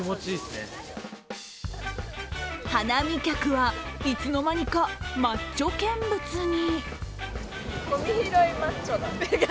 花見客はいつの間にかマッチョ見物に。